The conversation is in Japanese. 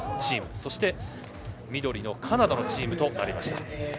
そして緑カナダのチームとなりました。